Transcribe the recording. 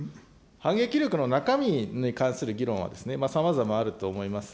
反撃力の中身に関する議論はさまざまあると思います。